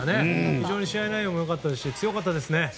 非常に試合内容も良かったですし強かったですね。